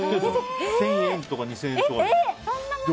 １０００円とか２０００円ですよ。